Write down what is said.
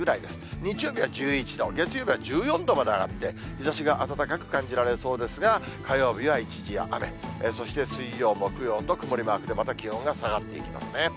日曜日は１１度、月曜日は１４度まで上がって、日ざしが暖かく感じられそうですが、火曜日は一時雨、そして水曜、木曜と曇りマークで、また気温が下がっていきますね。